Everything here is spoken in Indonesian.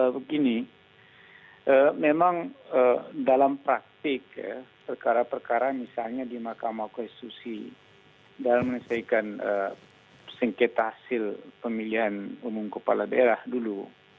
begini memang dalam praktik perkara perkara misalnya di mahkamah konstitusi dalam menyelesaikan sengketa hasil pemilihan umum kepala daerah dulu